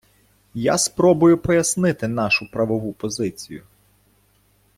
Я спробую пояснити нашу правову позицію.